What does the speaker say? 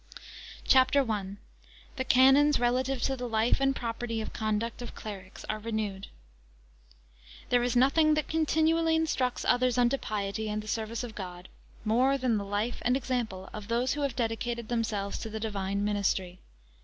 CHAPTER I. The Canons relative to the life, and propriety of conduct of Clerics are renewed. There is nothing that continually instructs others unto piety, and the service of God, more than the life and example of those who have dedicated themselves to the divine ministry.